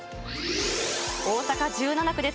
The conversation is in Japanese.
大阪１７区です。